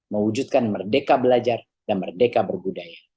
mewujudkan merdeka belajar dan merdeka berbudaya